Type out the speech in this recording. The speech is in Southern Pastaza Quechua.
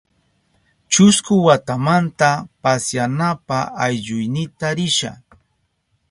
Chusku watamanta pasyanapa aylluynita risha.